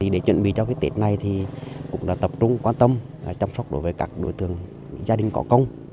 để chuẩn bị cho cái tết này thì cũng là tập trung quan tâm chăm sóc đối với các đối tượng gia đình có công